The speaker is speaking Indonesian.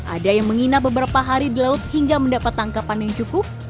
ada yang menginap beberapa hari di laut hingga mendapat tangkapan yang cukup